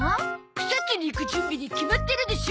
草津に行く準備に決まってるでしょ！